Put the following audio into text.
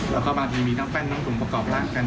แล้วก็บางทีมีน้องแป้นทั้งกลุ่มประกอบละกัน